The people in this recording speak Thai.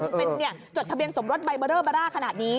มันเป็นจดทะเบียนสมรสใบเบอร์เลอร์บาร่าขนาดนี้